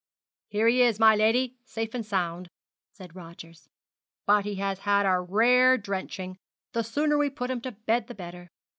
'Here he is, my lady, safe and sound!' said Rogers; 'but he has had a rare drenching the sooner we put him to bed the better.'